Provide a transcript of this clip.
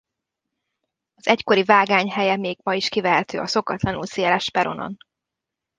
Az egykori vágány helye még ma is kivehető a szokatlanul széles peronon.